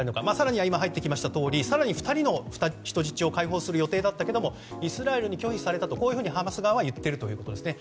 更には今入ってきましたとおり２人の人質を解放する予定でしたがイスラエルに拒否されたとハマス側は言っているということです。